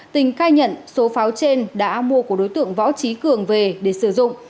tình khai nhận số pháo trên đã mua của đối tượng võ trí cường về để sử dụng